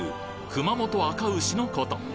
熊本あか牛のこと